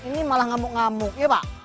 ini malah ngamuk ngamuk ya pak